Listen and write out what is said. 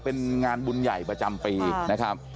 เป็นงานบุญใหญ่ประจำปีนะครับ